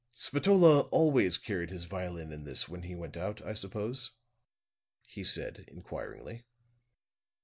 "Spatola always carried his violin in this when he went out, I suppose?" he said, inquiringly.